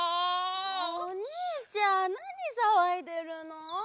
おにいちゃんなにさわいでるの？